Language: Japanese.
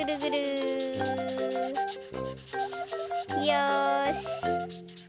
よし。